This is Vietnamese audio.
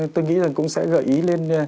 tôi nghĩ cũng sẽ gợi ý lên